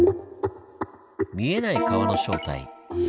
見えない川の正体。